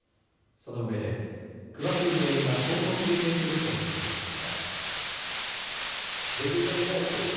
そのうえで詳しい原因は今後、究明すると説明しました。